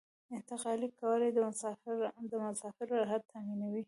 انتقالي ګولایي د مسافرو راحت تامینوي